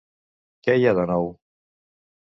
Què hi ha de nou?